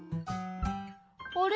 あれ？